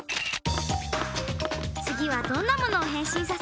つぎはどんなものをへんしんさせようかな。